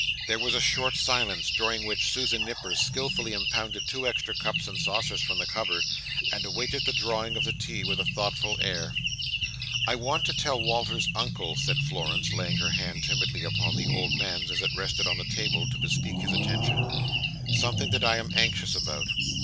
There was a short silence; during which Susan Nipper skilfully impounded two extra cups and saucers from the cupboard, and awaited the drawing of the tea with a thoughtful air. "I want to tell Walter's Uncle," said Florence, laying her hand timidly upon the old man's as it rested on the table, to bespeak his attention, "something that I am anxious about.